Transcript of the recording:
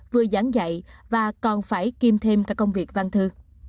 vừa giảng dạy và còn phải kim thêm các công việc văn thư